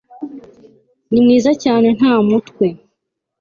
ni mwiza cyane nta mutwe